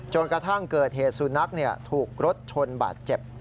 กระทั่งเกิดเหตุสุนัขถูกรถชนบาดเจ็บ